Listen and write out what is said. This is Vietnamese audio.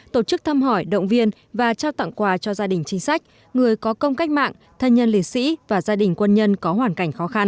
tổ chức thăm hỏi động viên và trao tặng quà cho gia đình chính sách người có công cách mạng thân nhân liệt sĩ và gia đình quân nhân có hoàn cảnh khó khăn